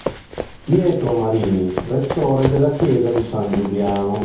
Pietro Marini, rettore della chiesa di San Giuliano.